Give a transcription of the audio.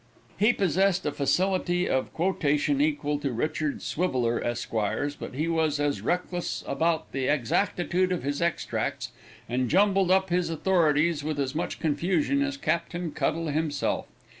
He possessed a facility of quotation equal to Richard Swiveller, Esq.'s, but he was as reckless about the exactitude of his extracts, and jumbled up his authorities with as much confusion as Captain Cuttle himself.